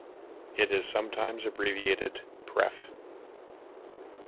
It is sometimes abbreviated "pref".